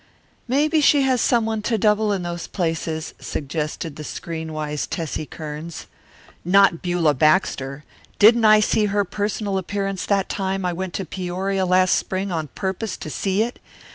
"Maybe she has someone to double in those places," suggested the screen wise Tessie Kearns. "Not Beulah Baxter. Didn't I see her personal appearance that time I went to Peoria last spring on purpose to see it?